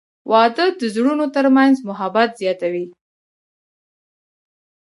• واده د زړونو ترمنځ محبت زیاتوي.